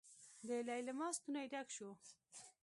د ليلما ستونی ډک شو.